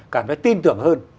cảm thấy tin tưởng hơn